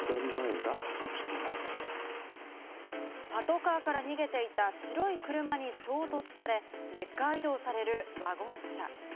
パトカーから逃げていた白い車に衝突され、レッカー移動されるワゴン車。